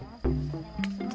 お願いします。